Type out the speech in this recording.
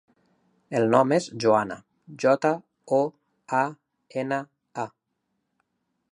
El nom és Joana: jota, o, a, ena, a.